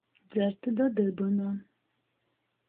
Dzert da dybyna.